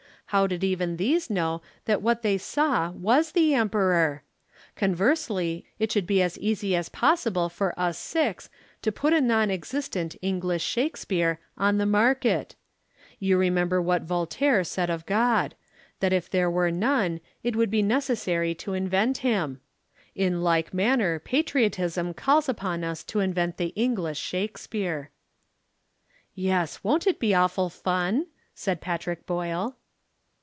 How did even these know that what they saw was the Emperor? Conversely, it should be as easy as possible for us six to put a non existent English Shakespeare on the market. You remember what Voltaire said of God that if there were none it would be necessary to invent Him. In like manner patriotism calls upon us to invent the English Shakespeare." "Yes, won't it be awful fun?" said Patrick Boyle.